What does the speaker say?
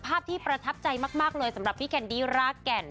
ภาพที่ประทับใจมากเลยสำหรับพี่แคนดี้รากแก่น